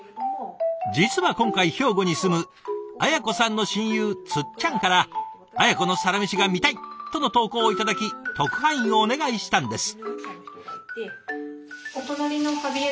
実は今回兵庫に住む文子さんの親友つっちゃんから「文子のサラメシが見たい！」との投稿を頂き特派員をお願いしたんです。